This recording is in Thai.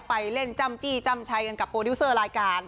ไปเล่นจ้ำจี้จ้ำชัยกันกับโปรดิวเซอร์รายการ